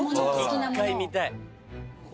一回見たい。